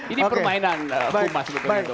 ini permainan kumas